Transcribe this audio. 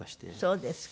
そうですか。